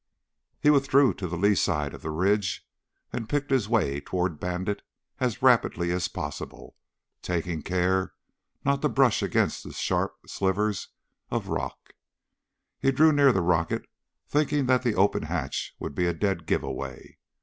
He withdrew to the lee side of the ridge and picked his way toward Bandit as rapidly as possible, taking care not to brush against the sharp slivers of rock. He drew near the rocket, thinking that the open hatch would be a dead giveaway.